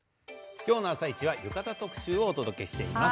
今日の「あさイチ」は浴衣特集をお届けしています。